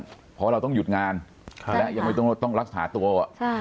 เพราะเราต้องหยุดงานและยังไม่ต้องรักษาตัว